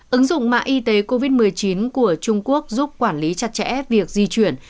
ứng dụng mạng y tế covid một mươi chín của trung quốc giúp quản lý chặt chẽ việc di chuyển